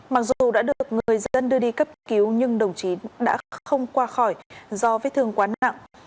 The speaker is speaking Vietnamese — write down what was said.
mặc dù đã được người dân đưa đi cấp cứu nhưng đồng chí đã không qua khỏi do vết thương quá nặng